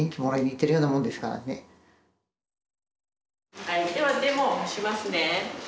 はいではデモをしますね。